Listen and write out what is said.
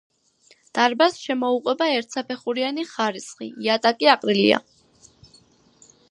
დარბაზს შემოუყვება ერთსაფეხურიანი ხარისხი; იატაკი აყრილია.